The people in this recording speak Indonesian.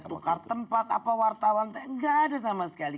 tukar tempat apa wartawan gak ada sama sekali